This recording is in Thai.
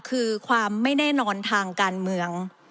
คือความไม่แน่นอนทางการเมือง